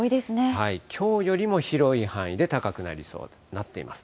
きょうよりも広い範囲で、高くなりそう、なっています。